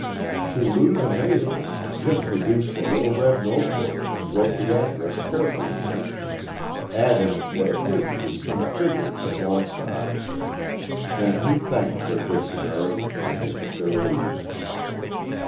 To Lou's amazement Jim produced the little red note book and wrote the address carefully in it, adding what appeared to be some figures at one side. Then he thanked their good Samaritan and they took their leave.